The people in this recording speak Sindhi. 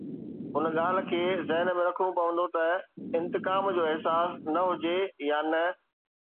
ان ڳالهه کي ذهن ۾ رکڻو پوندو ته انتقام جو احساس نه هجي يا نه